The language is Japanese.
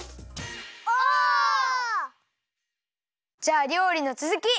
オ！じゃありょうりのつづき！